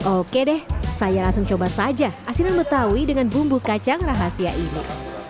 oke deh saya langsung coba saja asinan betawi dengan bumbu kacang rahasia ini